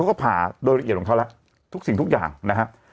เขาก็ผ่าโดยละเอียดของเขาแล้วทุกสิ่งทุกอย่างนะครับ